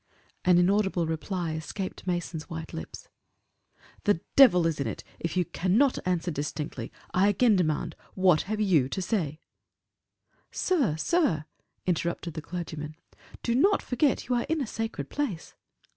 An inaudible reply escaped Mason's white lips. "The devil is in it if you cannot answer distinctly. I again demand, what have you to say?" "Sir sir," interrupted the clergyman, "do not forget you are in a sacred place."